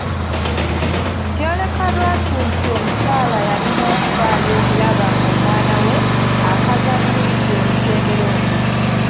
Kyeyoleka lwatu nti omukyala y'alina okufaayo okulaba ng'omwana we akaza bulungi omutendera ogwo.